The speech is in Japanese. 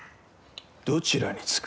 どちらにつく？